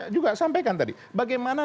juga sampaikan tadi bagaimana